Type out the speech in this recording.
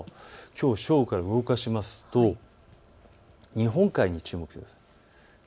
きょうの正午から動かしますと日本海に注目です。